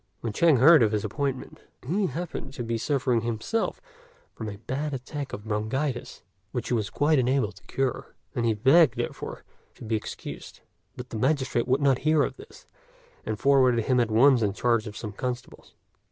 When Chang heard of his appointment, he happened to be suffering himself from a bad attack of bronchitis, which he was quite unable to cure, and he begged, therefore, to be excused; but the magistrate would not hear of this, and forwarded him at once in charge of some constables.